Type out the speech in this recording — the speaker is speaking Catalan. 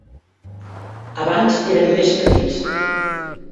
Abans érem més petits.